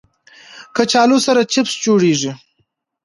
کچالو سره چپس جوړېږي